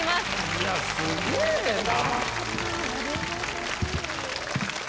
いやすげぇな。